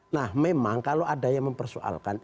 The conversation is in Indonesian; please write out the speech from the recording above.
nah memang kalau ada yang mempersoalkan